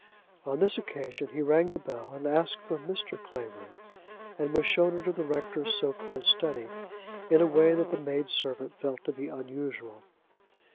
On this occasion he rang the bell, and asked for Mr. Clavering, and was shown into the rector's so called study, in a way that the maid servant felt to be unusual.